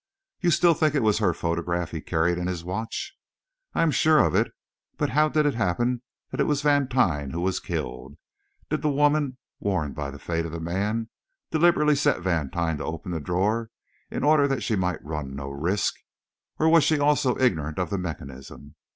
"You still think it was her photograph he carried in his watch?" "I am sure of it. But how did it happen that it was Vantine who was killed? Did the woman, warned by the fate of the man, deliberately set Vantine to open the drawer in order that she might run no risk? Or was she also ignorant of the mechanism?